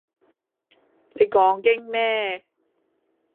你講經咩？